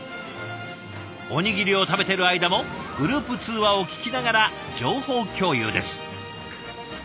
おにぎりを食べてる間もグループ通話を聞きながら情報共有です。